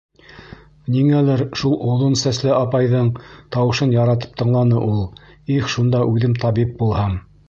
Ниңәлер шул оҙон сәсле апайҙың тауышын яратып тыңланы ул. Их, шунда үҙем табип булһам.